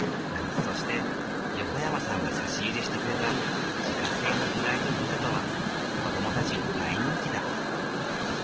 そして横山さんが差し入れしてくれた自家製のフライドポテトは子どもたちに大人気だ。